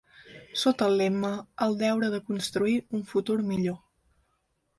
Sota el lema El deure de construir un futur millor.